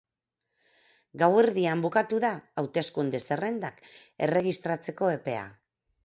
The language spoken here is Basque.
Gauerdian bukatu da hauteskunde zerrendak erregistratzeko epea.